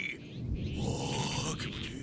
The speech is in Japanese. あ気持ちいい！